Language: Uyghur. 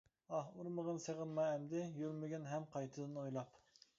ئاھ ئۇرمىغىن سېغىنما ئەمدى، يۈرمىگىن ھەم قايتىدىن ئويلاپ.